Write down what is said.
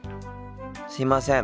すいません。